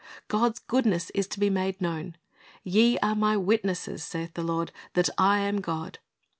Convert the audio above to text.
God's goodness is to be made known. "Ye are My witnesses, saith the Lord, that I am God."